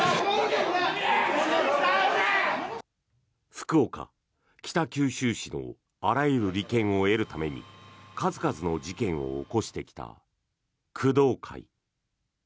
福岡・北九州市のあらゆる利権を得るために数々の事件を起こしてきた工藤会。